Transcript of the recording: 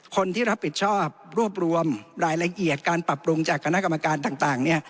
คนที่รับผิดชอบรวบรวมรายละเอียดการปรับปรุงจากคณะกรรมการต่างเนี่ย